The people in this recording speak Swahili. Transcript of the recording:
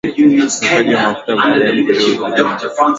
Uwekaji wa mafuta baada ya kupika huzuia kuharibika kwa virutubishi